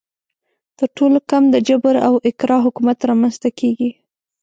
تر ټولو کم د جبر او اکراه حکومت رامنځته کیږي.